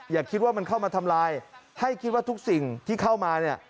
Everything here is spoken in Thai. อย่าคิดว่ามันเข้ามาทำลายให้คิดว่าทุกสิ่งที่เข้ามาเนี่ย